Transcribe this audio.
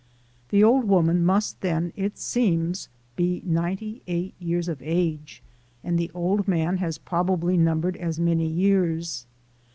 The old woman must then, it seems, be ninety eight years of age, and the old man has probably numbered as many years.